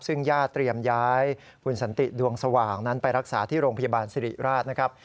ซึ่งญาติเตรียมย้ายคุณสันติดวงสว่างนั้นไปรักษาที่โรงพยาบาลสิริราชนะครับ